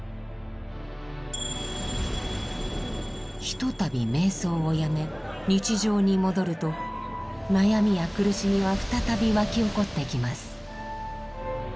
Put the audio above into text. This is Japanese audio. ひとたび瞑想をやめ日常に戻ると悩みや苦しみは再びわき起こってきます。